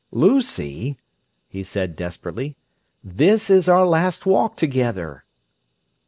"Lucy," he said desperately, "this is our last walk together."